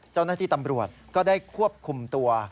เจ้านักศึกษาตำรวจก็ได้ควบคุมตัว